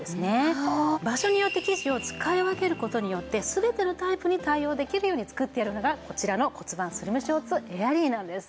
場所によって生地を使い分ける事によって全てのタイプに対応できるように作ってあるのがこちらの骨盤スリムショーツエアリーなんです。